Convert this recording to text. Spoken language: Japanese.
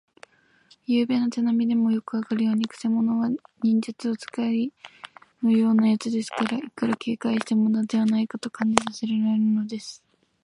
ゆうべの手なみでもわかるように、くせ者は忍術使いのようなやつですから、いくら警戒してもむだではないかとさえ感じられるのです。